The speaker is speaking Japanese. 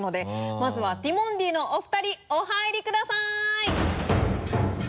まずはティモンディのお二人お入りください。